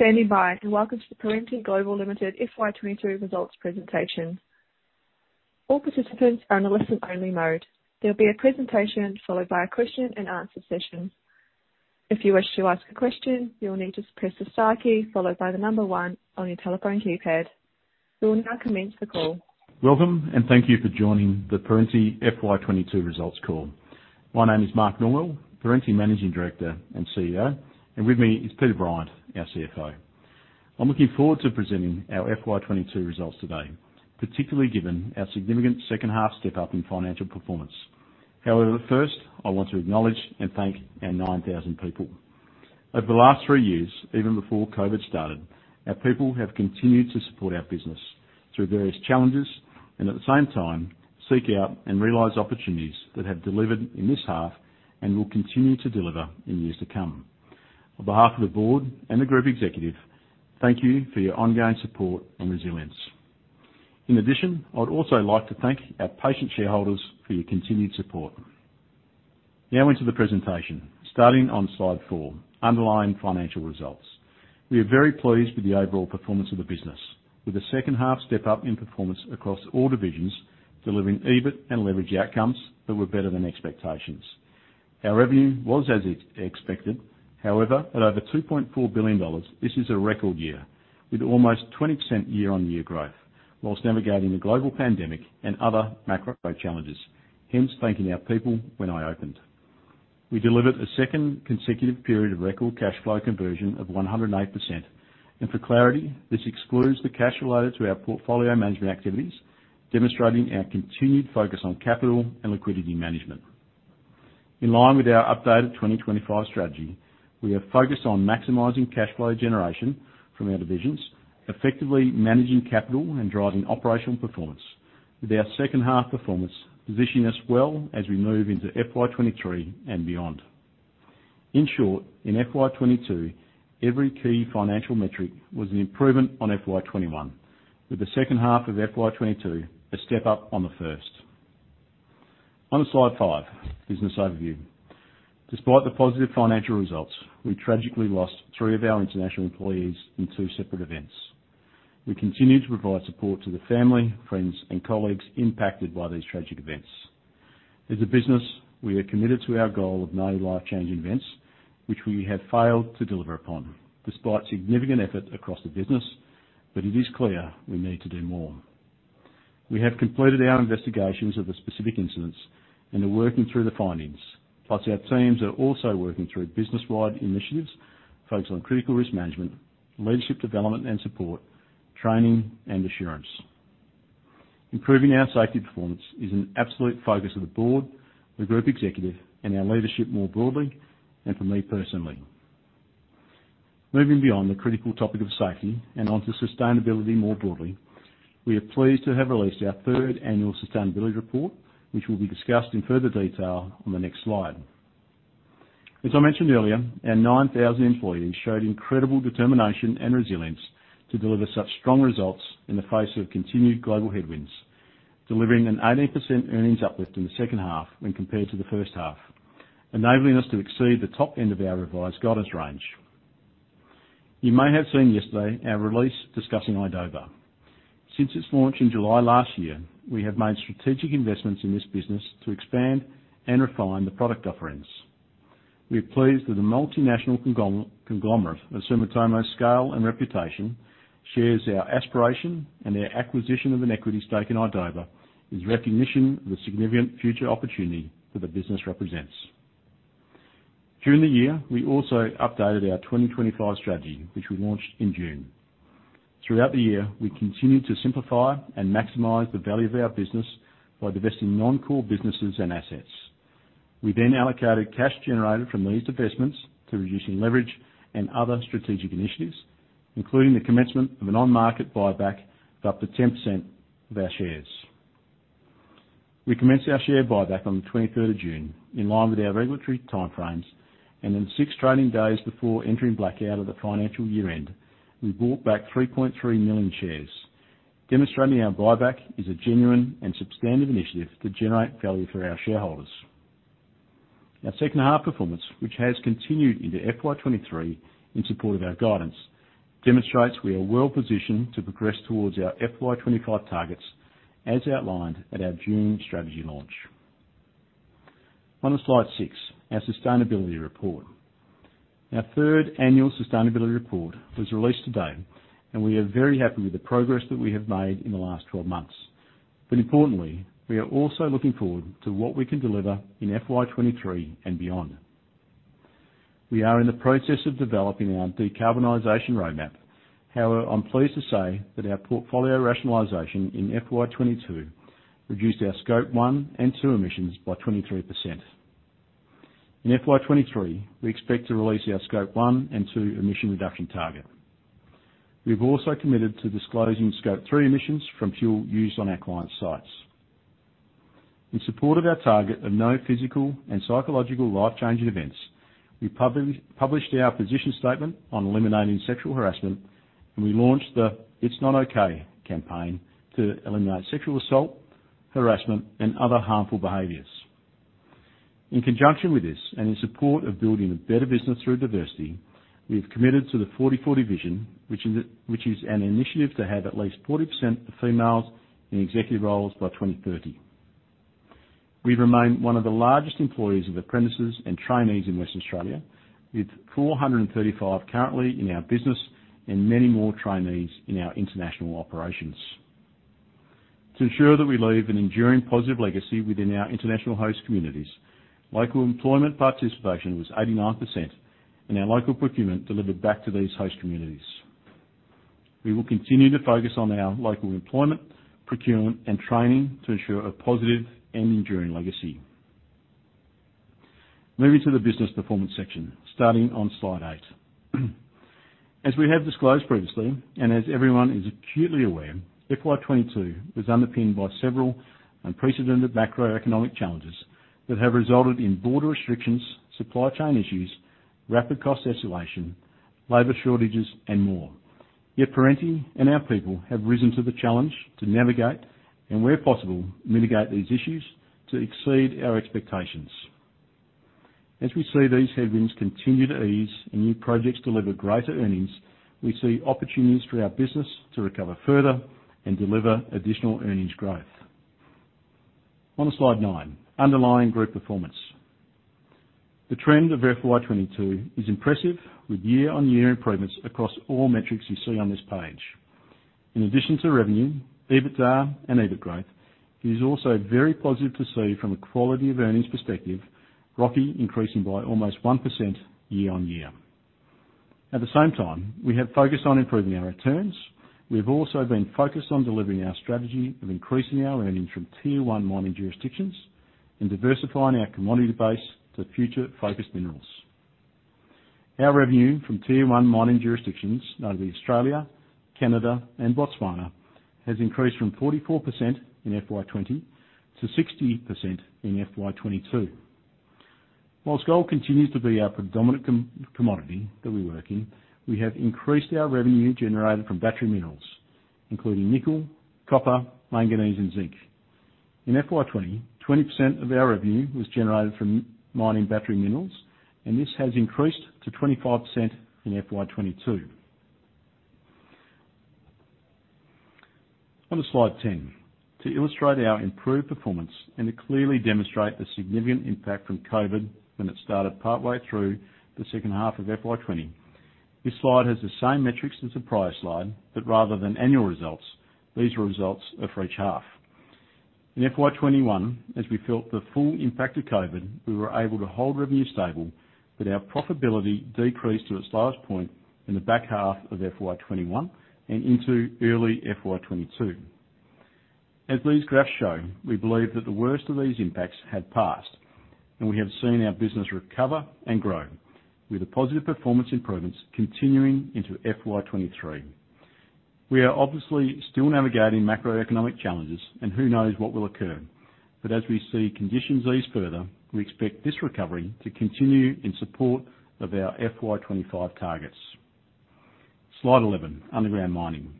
Thanks for standing by, and welcome to the Perenti Limited FY2022 results presentation. All participants are in a listen-only mode. There'll be a presentation followed by a question and answer session. If you wish to ask a question, you will need to press the star key followed by the number one on your telephone keypad. We will now commence the call. Welcome, and thank you for joining the Perenti FY2022 results call. My name is Mark Norwell, Perenti Managing Director and CEO, and with me is Peter Bryant, our CFO. I'm looking forward to presenting our FY2022 results today, particularly given our significant second-half step-up in financial performance. However, first, I want to acknowledge and thank our 9,000 people. Over the last three years, even before COVID started, our people have continued to support our business through various challenges, and at the same time, seek out and realize opportunities that have delivered in this half and will continue to deliver in years to come. On behalf of the board and the group executive, thank you for your ongoing support and resilience. In addition, I would also like to thank our patient shareholders for your continued support. Now into the presentation. Starting on slide four, underlying financial results. We are very pleased with the overall performance of the business, with a second half step-up in performance across all divisions, delivering EBIT and leverage outcomes that were better than expectations. Our revenue was as expected. However, at over 2.4 billion dollars, this is a record year, with almost 20% year-on-year growth while navigating the global pandemic and other macro challenges, hence thanking our people when I opened. We delivered a second consecutive period of record cash flow conversion of 108%. For clarity, this excludes the cash related to our portfolio management activities, demonstrating our continued focus on capital and liquidity management. In line with our updated 2025 strategy, we are focused on maximizing cash flow generation from our divisions, effectively managing capital and driving operational performance with our second-half performance positioning us well as we move into FY2023 and beyond. In short, in FY2022, every key financial metric was an improvement on FY2021, with the second half of FY2022 a step up on the first. On to slide five, business overview. Despite the positive financial results, we tragically lost three of our international employees in two separate events. We continue to provide support to the family, friends, and colleagues impacted by these tragic events. As a business, we are committed to our goal of no life-changing events, which we have failed to deliver upon, despite significant effort across the business, but it is clear we need to do more. We have completed our investigations of the specific incidents and are working through the findings, plus our teams are also working through business-wide initiatives focused on critical risk management, leadership development and support, training, and assurance. Improving our safety performance is an absolute focus of the board, the group executive, and our leadership more broadly, and for me personally. Moving beyond the critical topic of safety and onto sustainability more broadly, we are pleased to have released our third annual sustainability report, which will be discussed in further detail on the next slide. As I mentioned earlier, our 9,000 employees showed incredible determination and resilience to deliver such strong results in the face of continued global headwinds. Delivering an 18% earnings uplift in the second half when compared to the first half, enabling us to exceed the top end of our revised guidance range. You may have seen yesterday our release discussing idoba. Since its launch in July last year, we have made strategic investments in this business to expand and refine the product offerings. We are pleased that the multinational conglomerate of Sumitomo's scale and reputation shares our aspiration, and their acquisition of an equity stake in idoba is recognition of the significant future opportunity that the business represents. During the year, we also updated our 2025 strategy, which we launched in June. Throughout the year, we continued to simplify and maximize the value of our business by divesting non-core businesses and assets. We then allocated cash generated from these divestments to reducing leverage and other strategic initiatives, including the commencement of an on-market buyback of up to 10% of our shares. We commenced our share buyback on the 23rd of June, in line with our regulatory timeframes, and in six trading days before entering blackout at the financial year-end, we bought back 3.3 million shares, demonstrating our buyback is a genuine and substantive initiative to generate value for our shareholders. Our second half performance, which has continued into FY2023 in support of our guidance, demonstrates we are well-positioned to progress towards our FY2025 targets as outlined at our June strategy launch. On to slide 6, our sustainability report. Our third annual sustainability report was released today, and we are very happy with the progress that we have made in the last 12 months. Importantly, we are also looking forward to what we can deliver in FY2023 and beyond. We are in the process of developing our decarbonization roadmap. However, I'm pleased to say that our portfolio rationalization in FY22 reduced our Scope 1 and 2 emissions by 23%. In FY2023, we expect to release our Scope 1 and 2 emission reduction target. We've also committed to disclosing Scope 3 emissions from fuel used on our clients' sites. In support of our target of no physical and psychological life-changing events, we published our position statement on eliminating sexual harassment, and we launched the It's Not OK campaign to eliminate sexual assault, harassment, and other harmful behaviors. In conjunction with this, and in support of building a better business through diversity, we have committed to the 40:40 Vision, which is an initiative to have at least 40% of females in executive roles by 2030. We remain one of the largest employers of apprentices and trainees in Western Australia, with 435 currently in our business and many more trainees in our international operations. To ensure that we leave an enduring positive legacy within our international host communities, local employment participation was 89% and our local procurement delivered back to these host communities. We will continue to focus on our local employment, procurement, and training to ensure a positive and enduring legacy. Moving to the business performance section, starting on slide eight. As we have disclosed previously, and as everyone is acutely aware, FY2022 was underpinned by several unprecedented macroeconomic challenges that have resulted in border restrictions, supply chain issues, rapid cost escalation, labor shortages, and more. Yet Perenti and our people have risen to the challenge to navigate and where possible, mitigate these issues to exceed our expectations. As we see these headwinds continue to ease and new projects deliver greater earnings, we see opportunities for our business to recover further and deliver additional earnings growth. On to slide nine, underlying group performance. The trend of FY2022 is impressive with year-on-year improvements across all metrics you see on this page. In addition to revenue, EBITDA and EBIT growth, it is also very positive to see from a quality of earnings perspective, ROCE increasing by almost 1% year-on-year. At the same time, we have focused on improving our returns. We have also been focused on delivering our strategy of increasing our earnings from tier-one mining jurisdictions and diversifying our commodity base to future-focused minerals. Our revenue from tier-one mining jurisdictions, namely Australia, Canada, and Botswana, has increased from 44% in FY2020 to 60% in FY2022. While gold continues to be our predominant commodity that we work in, we have increased our revenue generated from battery minerals, including nickel, copper, manganese, and zinc. In FY2020, 20% of our revenue was generated from mining battery minerals, and this has increased to 25% in FY2022. On to slide 10. To illustrate our improved performance and to clearly demonstrate the significant impact from COVID when it started partway through the second half of FY2020, this slide has the same metrics as the prior slide, but rather than annual results, these are results for each half. In FY2021, as we felt the full impact of COVID, we were able to hold revenue stable, but our profitability decreased to its lowest point in the back half of FY2021 and into early FY2022. As these graphs show, we believe that the worst of these impacts had passed, and we have seen our business recover and grow, with the positive performance improvements continuing into FY2023. We are obviously still navigating macroeconomic challenges, and who knows what will occur. As we see conditions ease further, we expect this recovery to continue in support of our FY2025 targets. Slide 11, underground mining.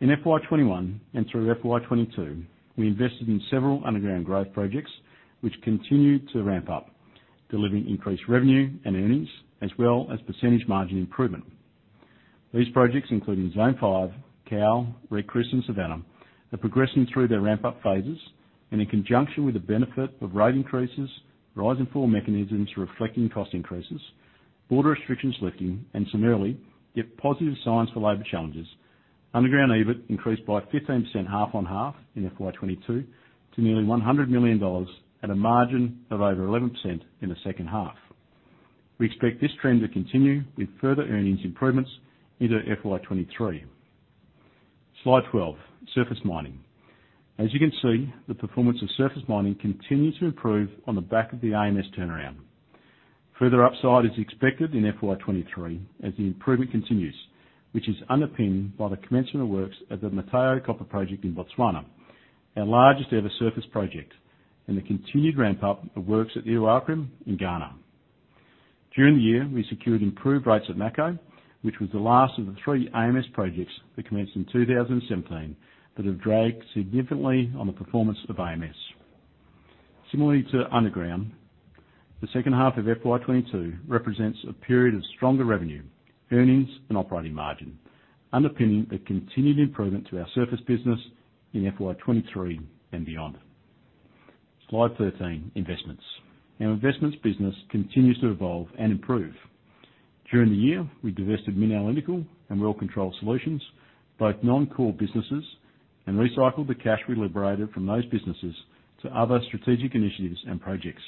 In FY2021 and through FY2022, we invested in several underground growth projects which continue to ramp up, delivering increased revenue and earnings, as well as percentage margin improvement. These projects, including Zone 5, Cowal, Red Chris, and Savannah, are progressing through their ramp-up phases, and in conjunction with the benefit of rate increases, rise and fall mechanisms reflecting cost increases, border restrictions lifting, and some early, yet positive signs for labor challenges, underground EBIT increased by 15% half-on-half in FY2022 to nearly 100 million dollars at a margin of over 11% in the second half. We expect this trend to continue with further earnings improvements into FY2023. Slide 12, surface mining. As you can see, the performance of surface mining continued to improve on the back of the AMS turnaround. Further upside is expected in FY2023 as the improvement continues, which is underpinned by the commencement of works at the Motheo Copper Project in Botswana, our largest ever surface project, and the continued ramp up of works at Iduapriem in Ghana. During the year, we secured improved rates at Mako, which was the last of the three AMS projects that commenced in 2017 that have dragged significantly on the performance of AMS. Similarly to underground, the second half of FY2022 represents a period of stronger revenue, earnings and operating margin, underpinning the continued improvement to our surface business in FY2023 and beyond. Slide 13, investments. Our investments business continues to evolve and improve. During the year, we divested MinAnalytical and Well Control Solutions, both non-core businesses, and recycled the cash we liberated from those businesses to other strategic initiatives and projects.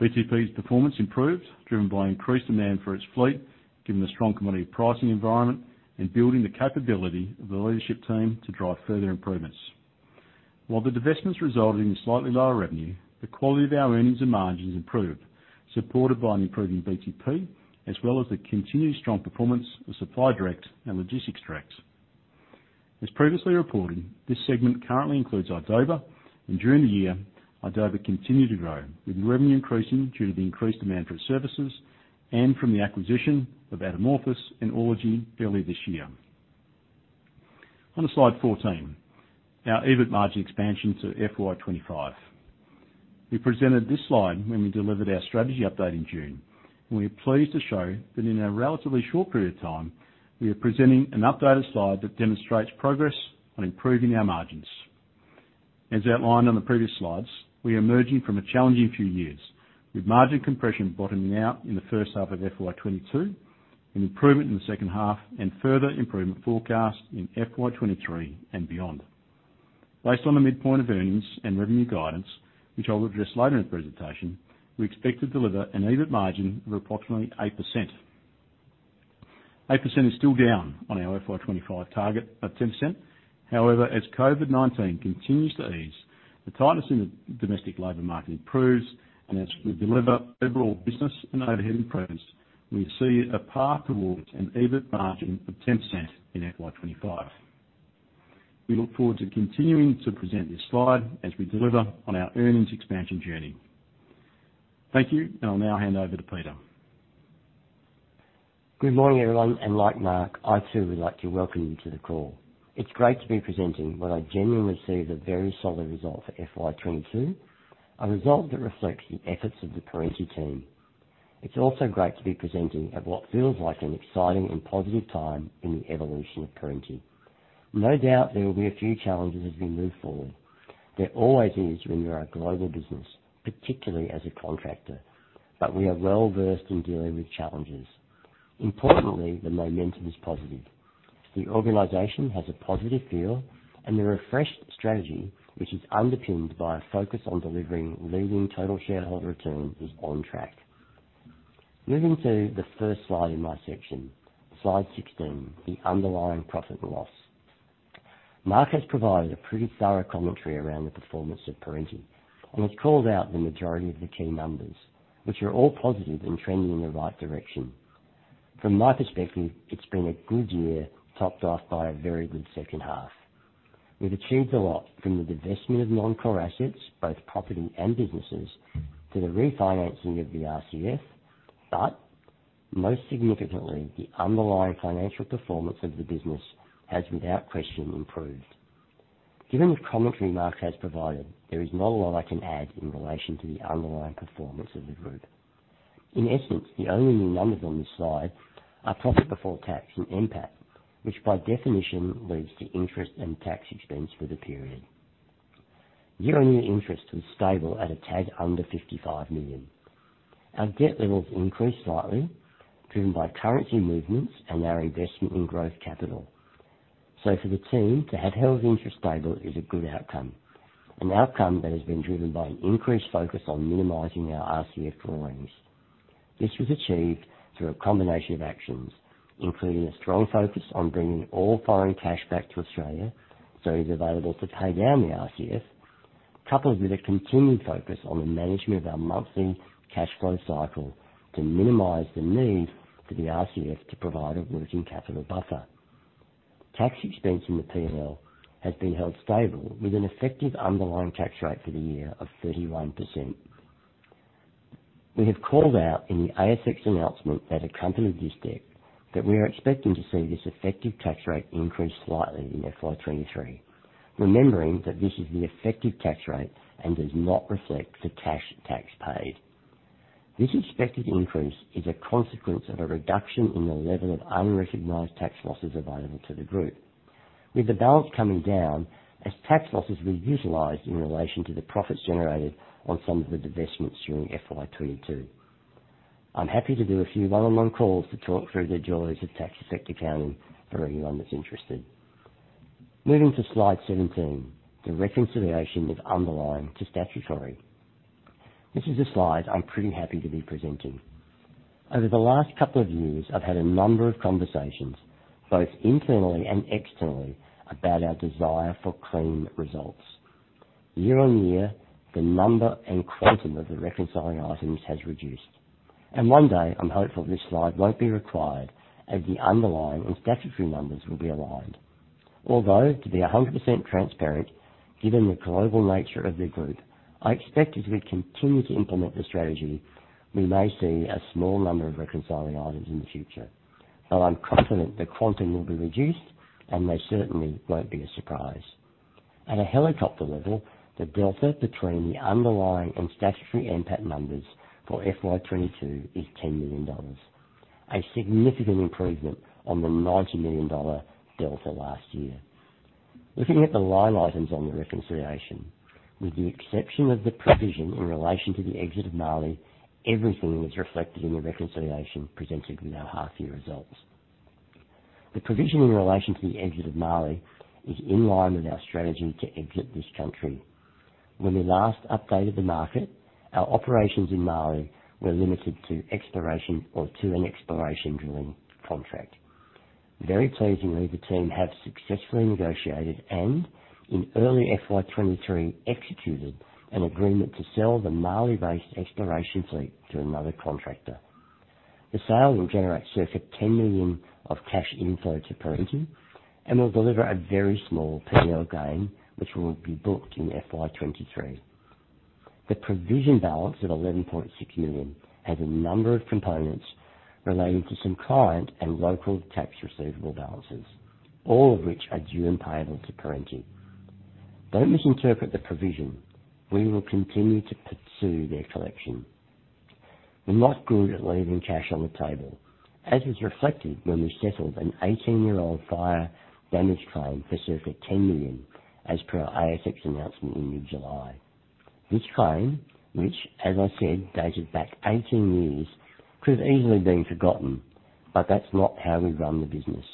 BTP's performance improved, driven by increased demand for its fleet, given the strong commodity pricing environment and building the capability of the leadership team to drive further improvements. While the divestments resulted in slightly lower revenue, the quality of our earnings and margins improved, supported by an improving BTP as well as the continued strong performance of Supply Direct and Logistics Direct. As previously reported, this segment currently includes idoba, and during the year, idoba continued to grow, with revenue increasing due to the increased demand for services and from the acquisition of Atomorphis and Orelogy early this year. On to slide 14, our EBIT margin expansion to FY2025. We presented this slide when we delivered our strategy update in June. We are pleased to show that in a relatively short period of time, we are presenting an updated slide that demonstrates progress on improving our margins. As outlined on the previous slides, we are emerging from a challenging few years with margin compression bottoming out in the first half of FY2022, an improvement in the second half and further improvement forecast in FY2023 and beyond. Based on the midpoint of earnings and revenue guidance, which I'll address later in the presentation, we expect to deliver an EBIT margin of approximately 8%. 8% is still down on our FY2025 target of 10%. However, as COVID-19 continues to ease, the tightness in the domestic labor market improves, and as we deliver overall business and overhead improvements, we see a path towards an EBIT margin of 10% in FY2025. We look forward to continuing to present this slide as we deliver on our earnings expansion journey. Thank you. I'll now hand over to Peter Bryant. Good morning, everyone. Like Mark, I too would like to welcome you to the call. It's great to be presenting what I genuinely see as a very solid result for FY2022, a result that reflects the efforts of the Perenti team. It's also great to be presenting at what feels like an exciting and positive time in the evolution of Perenti. No doubt there will be a few challenges as we move forward. There always is when you're a global business, particularly as a contractor. We are well-versed in dealing with challenges. Importantly, the momentum is positive. The organization has a positive feel and the refreshed strategy, which is underpinned by a focus on delivering leading total shareholder returns, is on track. Moving to the first slide in my section, slide 16, the underlying profit and loss. Mark has provided a pretty thorough commentary around the performance of Perenti and has called out the majority of the key numbers, which are all positive and trending in the right direction. From my perspective, it's been a good year, topped off by a very good second half. We've achieved a lot from the divestment of non-core assets, both property and businesses, to the refinancing of the RCF. Most significantly, the underlying financial performance of the business has, without question, improved. Given the commentary Mark has provided, there is not a lot I can add in relation to the underlying performance of the group. In essence, the only new numbers on this slide are profit before tax and NPAT, which by definition leads to interest and tax expense for the period. Year-on-year interest was stable at a tad under 55 million. Our debt levels increased slightly, driven by currency movements and our investment in growth capital. For the team to have held interest stable is a good outcome, an outcome that has been driven by an increased focus on minimizing our RCF drawings. This was achieved through a combination of actions, including a strong focus on bringing all foreign cash back to Australia, so it's available to pay down the RCF, coupled with a continued focus on the management of our monthly cash flow cycle to minimize the need for the RCF to provide a working capital buffer. Tax expense in the P&L has been held stable with an effective underlying tax rate for the year of 31%. We have called out in the ASX announcement that accompanied this deck that we are expecting to see this effective tax rate increase slightly in FY2023. Remembering that this is the effective tax rate and does not reflect the cash tax paid. This expected increase is a consequence of a reduction in the level of unrecognized tax losses available to the group, with the balance coming down as tax losses were utilized in relation to the profits generated on some of the divestments during FY2022. I'm happy to do a few one-on-one calls to talk through the joys of tax effect accounting for anyone that's interested. Moving to slide 17, the reconciliation of underlying to statutory. This is a slide I'm pretty happy to be presenting. Over the last couple of years, I've had a number of conversations, both internally and externally, about our desire for clean results. Year-on-year, the number and quantum of the reconciling items has reduced. One day, I'm hopeful this slide won't be required as the underlying and statutory numbers will be aligned. Although, to be 100% transparent, given the global nature of the group, I expect as we continue to implement the strategy, we may see a small number of reconciling items in the future. But I'm confident the quantum will be reduced and they certainly won't be a surprise. At a helicopter level, the delta between the underlying and statutory NPAT numbers for FY2022 is 10 million dollars, a significant improvement on the 90 million dollar delta last year. Looking at the line items on the reconciliation, with the exception of the provision in relation to the exit of Mali, everything was reflected in the reconciliation presented in our half year results. The provision in relation to the exit of Mali is in line with our strategy to exit this country. When we last updated the market, our operations in Mali were limited to exploration or to an exploration drilling contract. Very pleasingly, the team have successfully negotiated and in early FY2023, executed an agreement to sell the Mali-based exploration fleet to another contractor. The sale will generate circa 10 million of cash inflow to Perenti and will deliver a very small P&L gain which will be booked in FY2023. The provision balance of 11.6 million has a number of components relating to some client and local tax receivable balances, all of which are due and payable to Perenti. Don't misinterpret the provision. We will continue to pursue their collection. We're not good at leaving cash on the table, as was reflected when we settled an 18-year-old fire damage claim for circa 10 million, as per our ASX announcement in mid-July. This claim, which, as I said, dated back 18 years, could have easily been forgotten, but that's not how we run the business.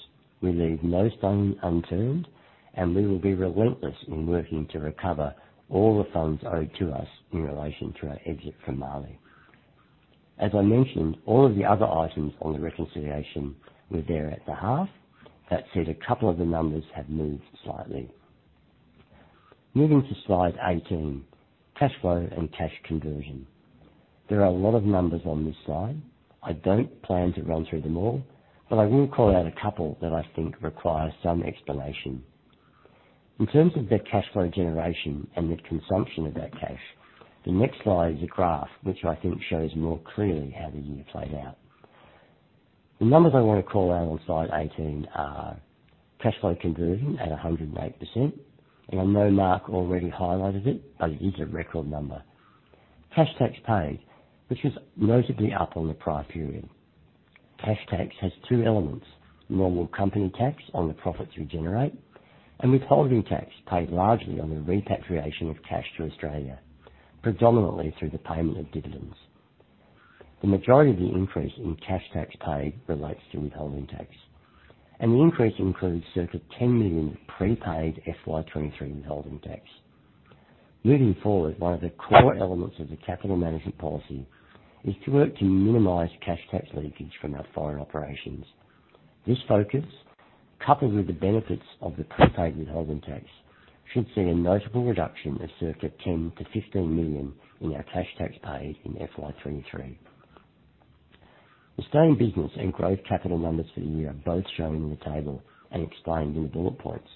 We leave no stone unturned, and we will be relentless in working to recover all the funds owed to us in relation to our exit from Mali. As I mentioned, all of the other items on the reconciliation were there at the half. That said, a couple of the numbers have moved slightly. Moving to slide 18, cash flow and cash conversion. There are a lot of numbers on this slide. I don't plan to run through them all, but I will call out a couple that I think require some explanation. In terms of the cash flow generation and the consumption of that cash, the next slide is a graph which I think shows more clearly how the year played out. The numbers I wanna call out on slide 18 are cash flow conversion at 108%. I know Mark already highlighted it, but it is a record number. Cash tax paid, which is notably up on the prior period. Cash tax has two elements, normal company tax on the profits we generate and withholding tax paid largely on the repatriation of cash to Australia, predominantly through the payment of dividends. The majority of the increase in cash tax paid relates to withholding tax, and the increase includes circa 10 million of prepaid FY2023 withholding tax. Moving forward, one of the core elements of the capital management policy is to work to minimize cash tax leakage from our foreign operations. This focus, coupled with the benefits of the prepaid withholding tax, should see a notable reduction of circa 10 million-15 million in our cash tax paid in FY2023. The steady-state business and growth capital numbers for the year are both shown in the table and explained in the bullet points.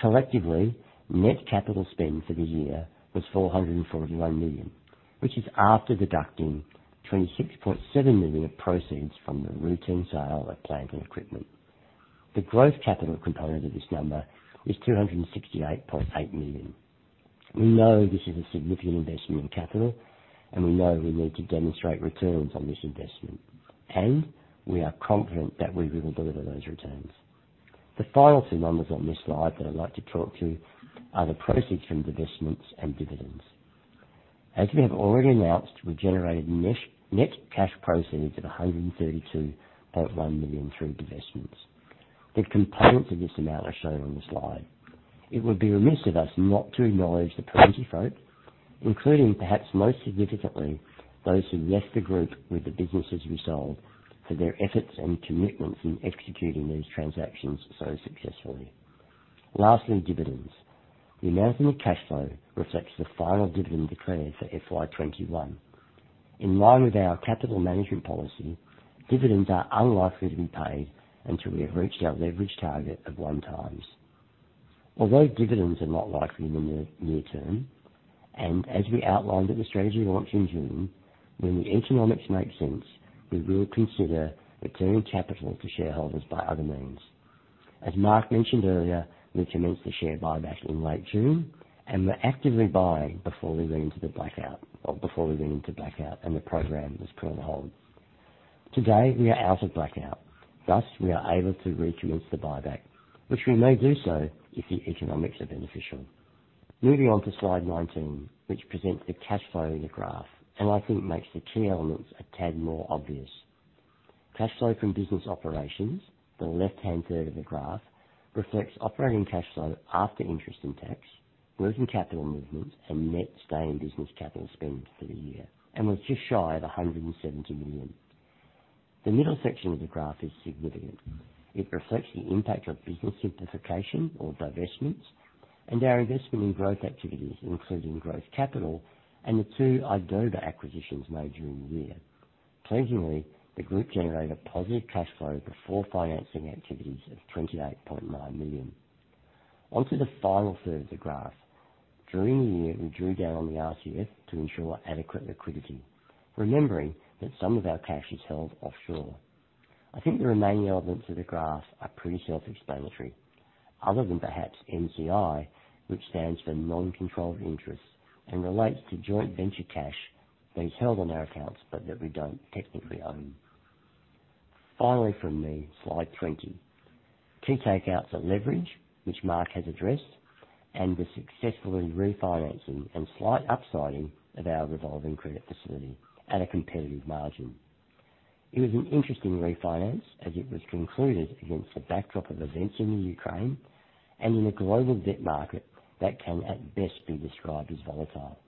Collectively, net capital spend for the year was AUD 441 million, which is after deducting AUD 26.7 million of proceeds from the routine sale of plant and equipment. The growth capital component of this number is 268.8 million. We know this is a significant investment in capital, and we know we need to demonstrate returns on this investment, and we are confident that we will deliver those returns. The final two numbers on this slide that I'd like to talk to are the proceeds from divestments and dividends. As we have already announced, we generated net cash proceeds of 132.1 million through divestments. The components of this amount are shown on the slide. It would be remiss of us not to acknowledge the Perenti folk, including, perhaps most significantly, those who left the group with the businesses we sold, for their efforts and commitment in executing these transactions so successfully. Lastly, dividends. The amount in the cash flow reflects the final dividend declared for FY2021. In line with our capital management policy, dividends are unlikely to be paid until we have reached our leverage target of 1x. Although dividends are not likely in the near term, and as we outlined at the strategy launch in June, when the economics make sense, we will consider returning capital to shareholders by other means. As Mark mentioned earlier, we commenced the share buyback in late June, and we're actively buying before we went into blackout, and the program was put on hold. Today, we are out of blackout, thus we are able to recommence the buyback, which we may do so if the economics are beneficial. Moving on to slide 19, which presents the cash flow in a graph, and I think makes the key elements a tad more obvious. Cash flow from business operations, the left-hand third of the graph, reflects operating cash flow after interest and tax, working capital movements, and net sustaining business capital spend for the year, and was just shy of 170 million. The middle section of the graph is significant. It reflects the impact of business simplification or divestments and our investment in growth activities, including growth capital and the two idoba acquisitions made during the year. Pleasingly, the group generated a positive cash flow before financing activities of 28.9 million. On to the final third of the graph. During the year, we drew down on the RCF to ensure adequate liquidity, remembering that some of our cash is held offshore. I think the remaining elements of the graph are pretty self-explanatory, other than perhaps NCI, which stands for non-controlling interests and relates to joint venture cash being held on our accounts but that we don't technically own. Finally from me, slide 20. Key takeouts are leverage, which Mark has addressed, and the successful refinancing and slight up-sizing of our revolving credit facility at a competitive margin. It was an interesting refinance as it was concluded against the backdrop of events in the Ukraine and in a global debt market that can at best be described as volatile.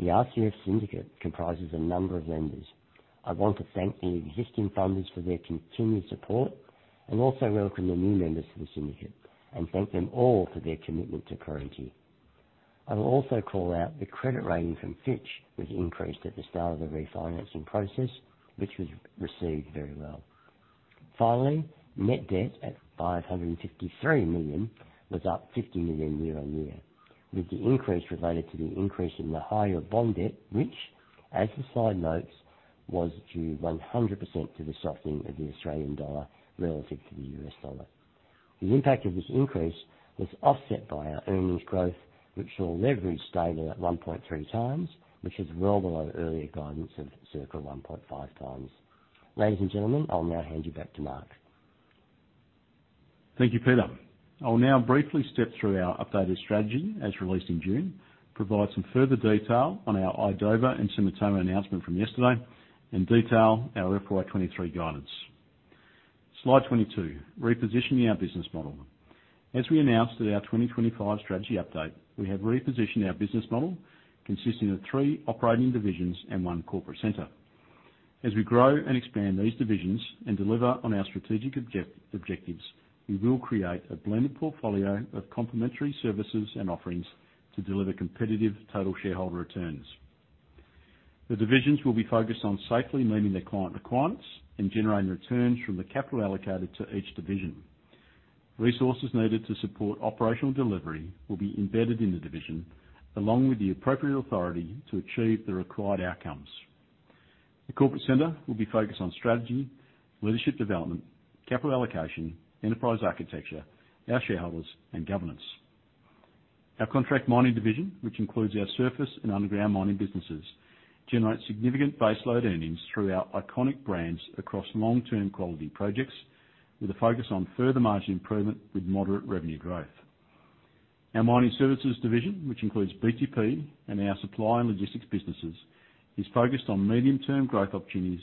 The RCF syndicate comprises a number of lenders. I want to thank the existing funders for their continued support and also welcome the new members to the syndicate and thank them all for their commitment to Perenti. I will also call out the credit rating from Fitch, which increased at the start of the refinancing process, which was received very well. Finally, net debt at 553 million was up 50 million year-on-year, with the increase related to the increase in the higher bond debt, which, as the slide notes, was due 100% to the softening of the Australian dollar relative to the US dollar. The impact of this increase was offset by our earnings growth, which saw leverage stable at 1.3x, which is well below earlier guidance of circa 1.5x. Ladies and gentlemen, I'll now hand you back to Mark. Thank you, Peter. I'll now briefly step through our updated strategy as released in June, provide some further detail on our idoba and Sumitomo announcement from yesterday, and detail our FY2023 guidance. Slide 22, repositioning our business model. As we announced at our 2025 strategy update, we have repositioned our business model consisting of three operating divisions and one corporate center. As we grow and expand these divisions and deliver on our strategic objectives, we will create a blended portfolio of complementary services and offerings to deliver competitive total shareholder returns. The divisions will be focused on safely meeting their client requirements and generating returns from the capital allocated to each division. Resources needed to support operational delivery will be embedded in the division, along with the appropriate authority to achieve the required outcomes. The corporate center will be focused on strategy, leadership development, capital allocation, enterprise architecture, our shareholders, and governance. Our contract mining division, which includes our surface and underground mining businesses, generates significant baseload earnings through our iconic brands across long-term quality projects with a focus on further margin improvement with moderate revenue growth. Our mining services division, which includes BTP and our supply and logistics businesses, is focused on medium-term growth opportunities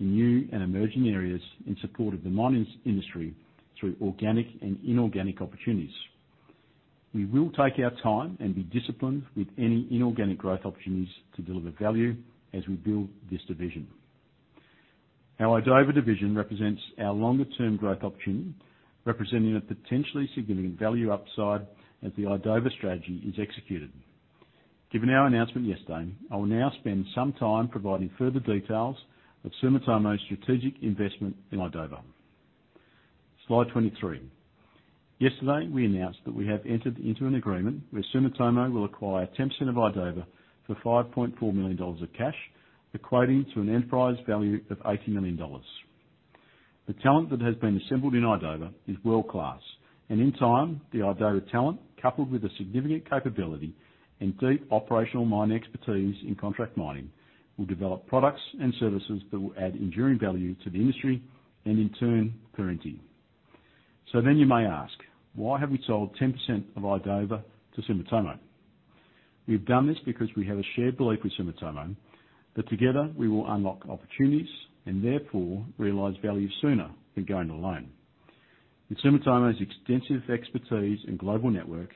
in new and emerging areas in support of the mining industry through organic and inorganic opportunities. We will take our time and be disciplined with any inorganic growth opportunities to deliver value as we build this division. Our idoba division represents our long-term growth opportunity, representing a potentially significant value upside as the idoba strategy is executed. Given our announcement yesterday, I will now spend some time providing further details of Sumitomo's strategic investment in idoba. Slide 23. Yesterday, we announced that we have entered into an agreement where Sumitomo will acquire 10% of idoba for 5.4 million dollars of cash, equating to an enterprise value of 80 million dollars. The talent that has been assembled in idoba is world-class, and in time, the idoba talent, coupled with a significant capability and deep operational mining expertise in contract mining, will develop products and services that will add enduring value to the industry and in turn, Perenti. You may ask, why have we sold 10% of idoba to Sumitomo? We've done this because we have a shared belief with Sumitomo that together we will unlock opportunities and therefore realize value sooner than going alone. With Sumitomo's extensive expertise and global network,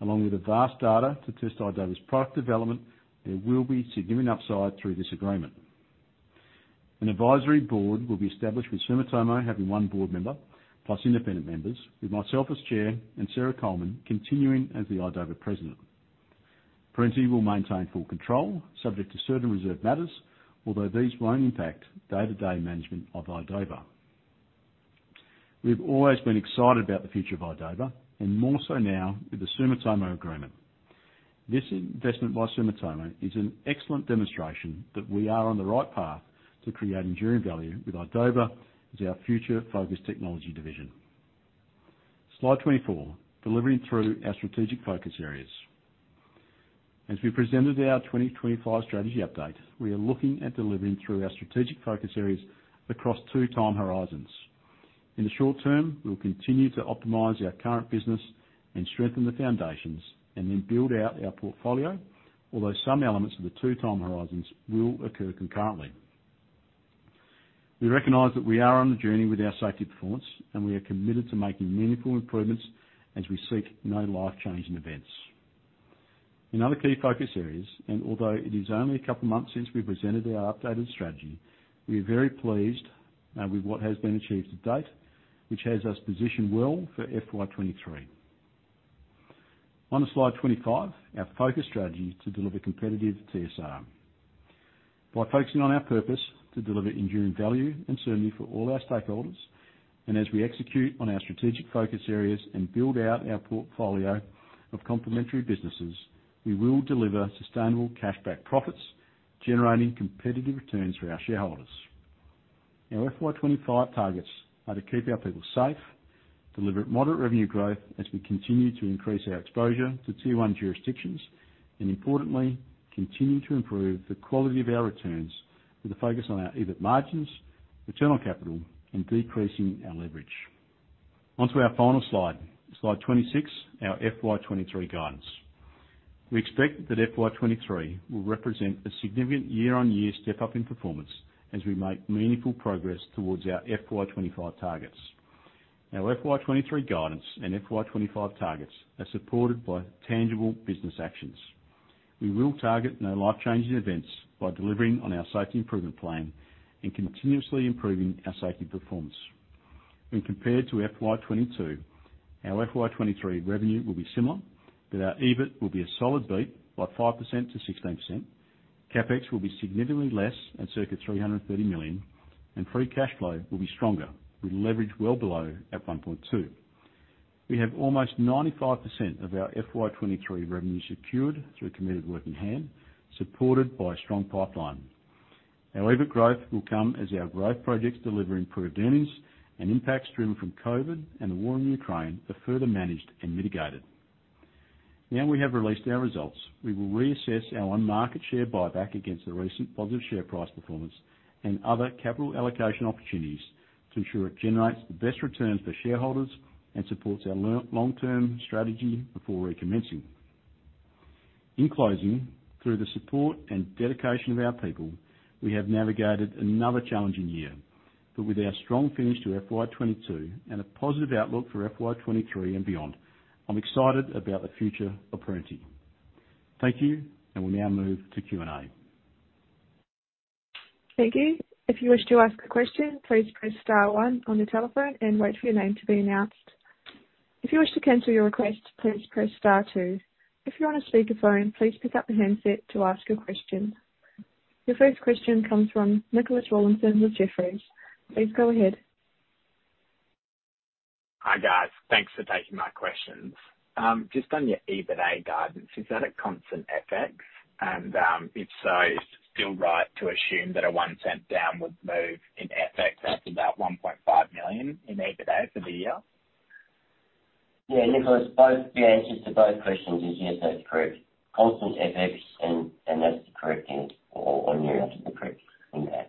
along with the vast data to test idoba's product development, there will be significant upside through this agreement. An advisory board will be established, with Sumitomo having one board member, plus independent members, with myself as chair and Sarah Coleman continuing as the idoba president. Perenti will maintain full control, subject to certain reserve matters, although these won't impact day-to-day management of idoba. We've always been excited about the future of idoba and more so now with the Sumitomo agreement. This investment by Sumitomo is an excellent demonstration that we are on the right path to creating enduring value with idoba as our future-focused technology division. Slide 24, delivering through our strategic focus areas. As we presented our 2025 strategy update, we are looking at delivering through our strategic focus areas across two time horizons. In the short term, we'll continue to optimize our current business and strengthen the foundations and then build out our portfolio, although some elements of the two time horizons will occur concurrently. We recognize that we are on the journey with our safety performance, and we are committed to making meaningful improvements as we seek no life-changing events. In other key focus areas, and although it is only a couple of months since we presented our updated strategy, we are very pleased with what has been achieved to date, which has us positioned well for FY2023. On to slide 25, our focus strategy to deliver competitive TSR. By focusing on our purpose to deliver enduring value and certainty for all our stakeholders, and as we execute on our strategic focus areas and build out our portfolio of complementary businesses, we will deliver sustainable cash-backed profits, generating competitive returns for our shareholders. Our FY2025 targets are to keep our people safe, deliver moderate revenue growth as we continue to increase our exposure to tier one jurisdictions, and importantly, continue to improve the quality of our returns with a focus on our EBIT margins, return on capital, and decreasing our leverage. On to our final slide 26, our FY23 guidance. We expect that FY2023 will represent a significant year-on-year step-up in performance as we make meaningful progress towards our FY2025 targets. Our FY2023 guidance and FY2025 targets are supported by tangible business actions. We will target no life-changing events by delivering on our safety improvement plan and continuously improving our safety performance. When compared to FY22, our FY23 revenue will be similar, but our EBIT will be a solid beat by 5%-16%. CapEx will be significantly less at circa 330 million, and free cash flow will be stronger with leverage well below 1.2. We have almost 95% of our FY2023 revenue secured through committed work in hand, supported by a strong pipeline. Our EBIT growth will come as our growth projects deliver improved earnings and impacts driven from COVID and the war in Ukraine are further managed and mitigated. Now we have released our results, we will reassess our share buyback against the recent positive share price performance and other capital allocation opportunities to ensure it generates the best returns for shareholders and supports our long-term strategy before recommencing. In closing, through the support and dedication of our people, we have navigated another challenging year. With our strong finish to FY2022 and a positive outlook for FY2023 and beyond, I'm excited about the future of Perenti. Thank you. We now move to Q&A. Thank you. If you wish to ask a question, please press star one on your telephone and wait for your name to be announced. If you wish to cancel your request, please press star two. If you're on a speakerphone, please pick up the handset to ask a question. Your first question comes from Nicholas Rawlinson with Jefferies. Please go ahead. Hi, guys. Thanks for taking my questions. Just on your EBITDA guidance, is that at constant FX? If so, is it still right to assume that a 1 cent downward move in FX, that's about 1.5 million in EBITDA for the year? Yeah, Nicholas, both the answers to both questions is yes, that's correct. Constant FX and that's the correct end all on your end. Correct. Okay,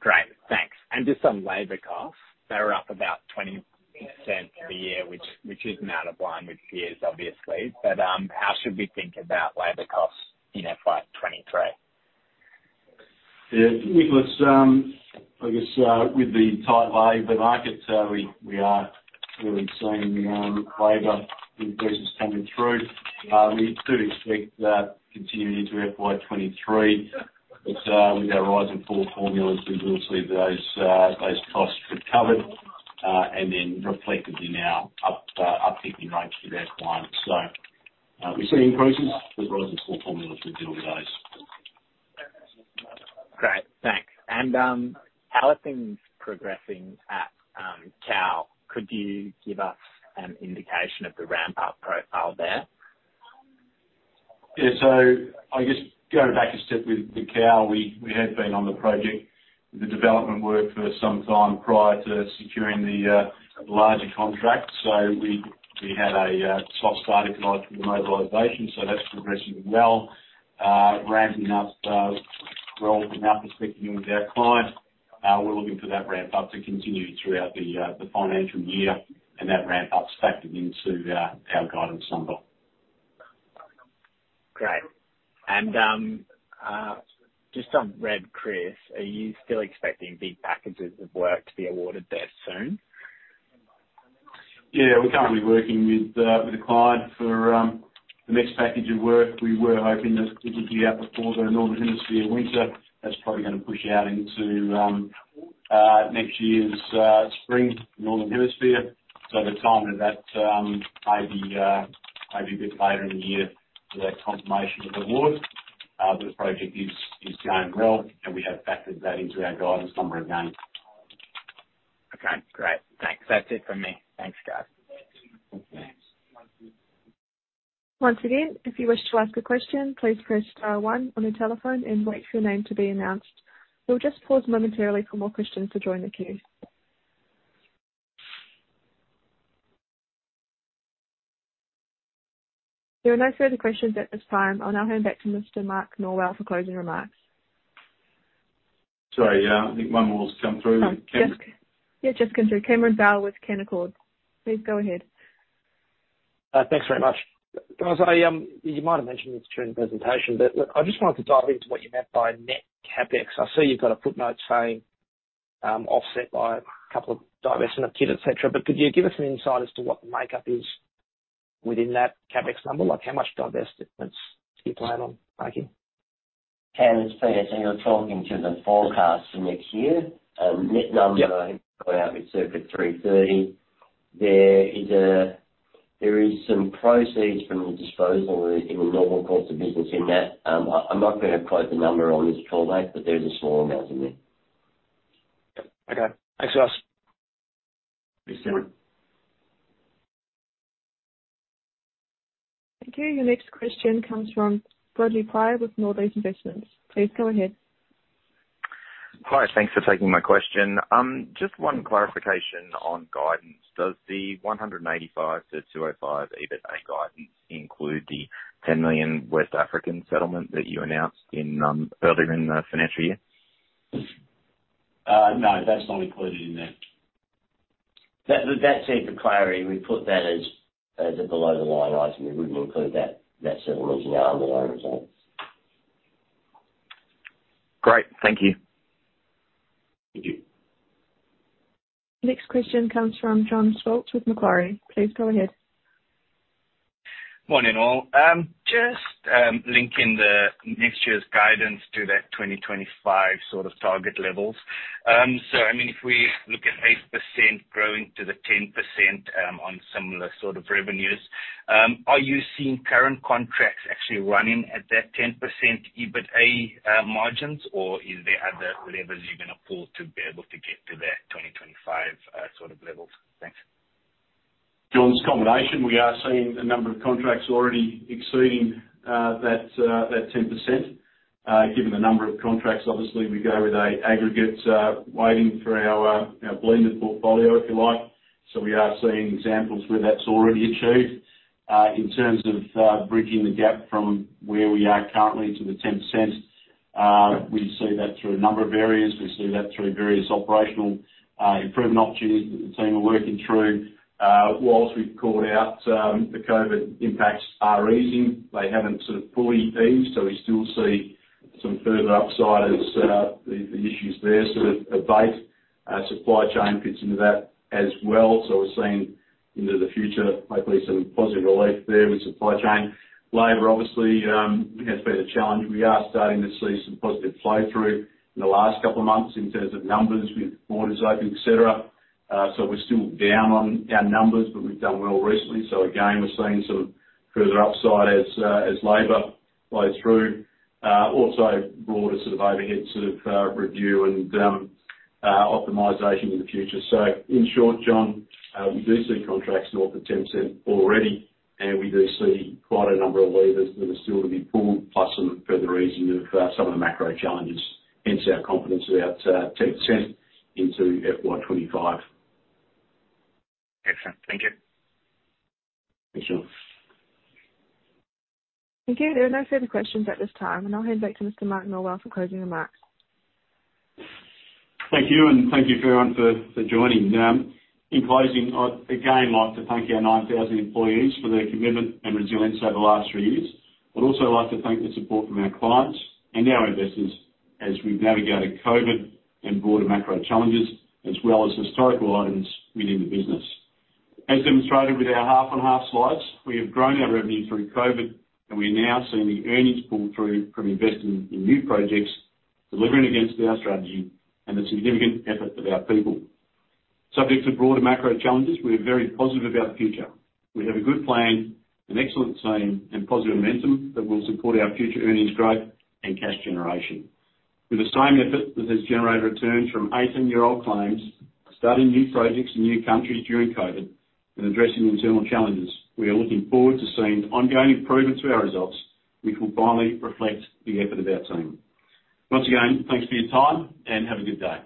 great. Thanks. Just on labor costs, they were up about 20% for the year, which isn't out of line with peers, obviously. How should we think about labor costs in FY2023? Yeah, Nicholas, I guess with the tight labor market, we are really seeing labor increases coming through. We do expect that continuing into FY2023. With our rise and fall formulas, we will see those costs recovered, and then reflected in uptick in rates for our clients. We're seeing increases. The rise and fall formula should deal with those. Great, thanks. How are things progressing at Cowal? Could you give us an indication of the ramp-up profile there? Yeah, I guess going back a step with the Cowal, we have been on the project, the development work for some time prior to securing the larger contract. We had a soft start, if you like, with the mobilization. That's progressing well. Ramping up well from our perspective with our client. We're looking for that ramp up to continue throughout the financial year, and that ramp up's factored into our guidance number. Great. Just on Red Chris, are you still expecting big packages of work to be awarded there soon? Yeah. We're currently working with the client for the next package of work. We were hoping that this would be out before the Northern Hemisphere winter. That's probably gonna push out into next year's spring, Northern Hemisphere. The timing of that may be a bit later in the year for that confirmation of award. But the project is going well, and we have factored that into our guidance number again. Okay, great. Thanks. That's it from me. Thanks, guys. Thanks. Once again, if you wish to ask a question, please press star one on your telephone and wait for your name to be announced. We'll just pause momentarily for more questions to join the queue. There are no further questions at this time. I'll now hand back to Mr. Mark Norwell for closing remarks. Sorry, I think one more has come through. Just come through. Cameron Bell with Canaccord. Please go ahead. Thanks very much. Guys, you might have mentioned this during the presentation, but look, I just wanted to dive into what you meant by net CapEx. I see you've got a footnote saying, offset by a couple of divestment of kit, et cetera. Could you give us an insight as to what the makeup is within that CapEx number? Like, how much divestments do you plan on making? Cameron, it's Peter. You're talking about the forecast for next year. Yeah. I think got out at circa 3.30. There is some proceeds from the disposal in the normal course of business in that. I'm not going to quote the number on this call, mate, but there is a small amount in there. Yep. Okay. Thanks, guys. Thanks, Cameron. Thank you. Your next question comes from Rodney Prior with Nordea Investments. Please go ahead. Hi. Thanks for taking my question. Just one clarification on guidance. Does the 185-205 EBITDA guidance include the 10 million West African settlement that you announced in earlier in the financial year? No, that's not included in there. So for clarity, we put that as a below-the-line item. We wouldn't include that settlement in our underlying results. Great. Thank you. Thank you. Next question comes from Jon Scholtz with Macquarie. Please go ahead. Morning, all. Just linking the next year's guidance to that 2025 sort of target levels. I mean, if we look at 8% growing to the 10%, on similar sort of revenues .Are you seeing current contracts actually running at that 10% EBITDA margins or is there other levers you're gonna pull to be able to get to that 2025 sort of levels? Thanks. Jon, it's a combination. We are seeing a number of contracts already exceeding that 10%. Given the number of contracts, obviously we go with an aggregate weighting for our blended portfolio, if you like. We are seeing examples where that's already achieved. In terms of bridging the gap from where we are currently to the 10%, we see that through a number of areas. We see that through various operational improvement opportunities that the team are working through. While we've called out, the COVID impacts are easing, they haven't sort of fully eased, so we still see some further upside as the issues there sort of abate. Supply chain fits into that as well. We're seeing into the future, hopefully some positive relief there with supply chain. Labor obviously has been a challenge. We are starting to see some positive flow through in the last couple of months in terms of numbers with borders open, et cetera. We're still down on our numbers, but we've done well recently. Again, we're seeing some further upside as labor flow through. Also broader sort of overhead review and optimization in the future. In short, Jon, we do see contracts north of 10% already, and we do see quite a number of levers that are still to be pulled, plus some further easing of some of the macro challenges, hence our confidence about 10% into FY25. Excellent. Thank you. Thanks, Jon. Thank you. There are no further questions at this time, and I'll hand back to Mr. Mark Norwell for closing remarks. Thank you, and thank you everyone for joining. In closing, I'd again like to thank our 9,000 employees for their commitment and resilience over the last three years. I'd also like to thank for the support from our clients and our investors as we've navigated COVID and broader macro challenges, as well as historical items within the business. As demonstrated with our half-on-half slides, we have grown our revenue through COVID, and we are now seeing the earnings pull through from investing in new projects, delivering against our strategy and the significant effort of our people. Subject to broader macro challenges, we are very positive about the future. We have a good plan, an excellent team and positive momentum that will support our future earnings growth and cash generation. With the same effort that has generated returns from eighteen-year-old claims, starting new projects in new countries during COVID and addressing internal challenges, we are looking forward to seeing ongoing improvements to our results, which will finally reflect the effort of our team. Once again, thanks for your time and have a good day.